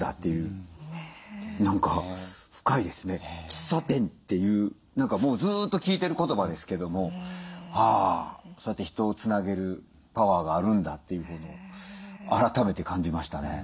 喫茶店っていう何かもうずっと聞いてる言葉ですけどもあそうやって人をつなげるパワーがあるんだというのを改めて感じましたね。